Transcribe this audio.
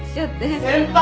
先輩！